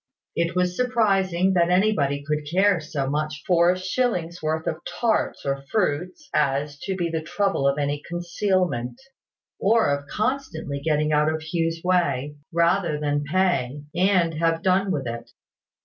It was surprising that anybody could care so much for a shilling's worth of tarts or fruit as to be at the trouble of any concealment, or of constantly getting out of Hugh's way, rather than pay, and have done with it.